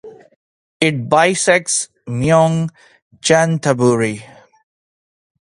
It bisects Mueang Chanthaburi.